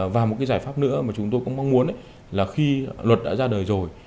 và một cái giải pháp nữa mà chúng tôi cũng mong muốn là khi luật đã ra đời rồi